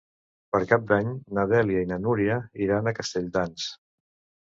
Per Cap d'Any na Dèlia i na Núria iran a Castelldans.